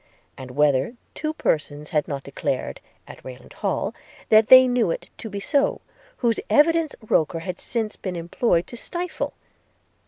and whether two persons had not declared, at Rayland Hall, that they knew it to be so, whose evidence Roker had since been employed to stifle?'